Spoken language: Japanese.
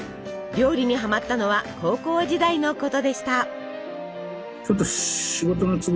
料理にハマったのは高校時代のことでした。